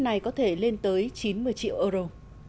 này có thể lên tới chín mươi triệu euro